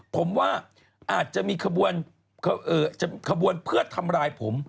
ผมว่าอาจจะมีขบวนเพื่อทำร้ายผม